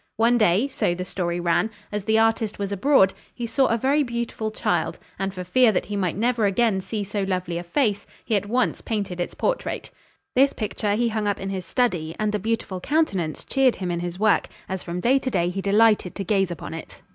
One day, so the story ran, as the artist was abroad, he saw a very beautiful child, and for fear that he might never again see so lovely a face, he at once painted its portrait. This picture he hung up in his study, and the beautiful countenance cheered him in his work, as from day to day he delighted to gaze upon it.